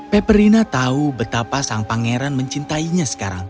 peperina tahu betapa sang pangeran mencintainya sekarang